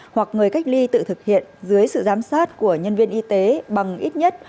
hoặc người cách ly tự thực hiện dưới sự giám sát của nhân viên y tế bằng ít nhất